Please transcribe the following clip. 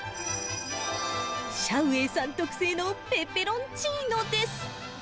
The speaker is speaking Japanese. シャウ・ウェイさん特製のペペロンチーノです。